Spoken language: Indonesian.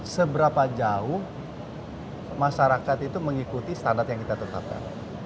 seberapa jauh masyarakat itu mengikuti standar yang kita tetapkan